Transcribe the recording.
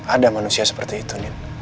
ada manusia seperti itu